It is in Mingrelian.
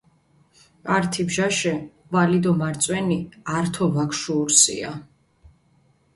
ართი ბჟაშე ჸვალი დო მარწვენი ართო ვაგშუურსია